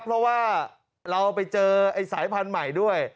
เพราะว่าเราไปเจอไอ้สายพันธุ์ใหม่ด้วย